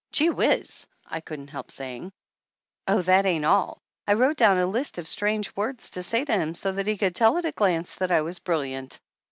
"Gee whiz !" I couldn't help saying. "Oh, that ain't all! I wrote down a list of strange words to say to him so that he could tell at a glance that I was brilliant.